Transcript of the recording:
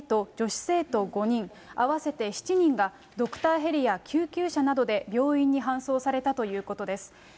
消防によりますと、これまでに男子生徒２人と女子生徒５人、合わせて７人が、ドクターヘリや救急車などで病院に搬送されたということです。